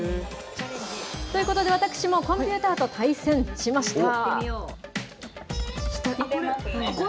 ということで私も、コンピューターと対戦しました。